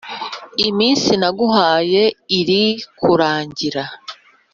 iminsi naguhaye iri kurangira”